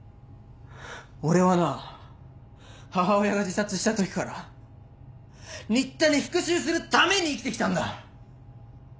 俺はな母親が自殺したときから新田に復讐するために生きてきたんだ！